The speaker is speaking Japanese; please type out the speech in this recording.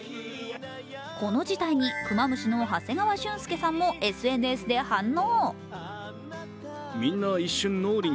この事態にクマムシの長谷川俊輔さんもＳＮＳで反応。